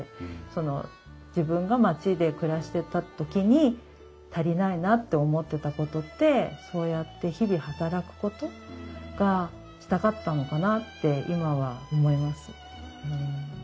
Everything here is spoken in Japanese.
その自分が街で暮らしてた時に足りないなと思ってたことってそうやって日々働くことがしたかったのかなって今は思います。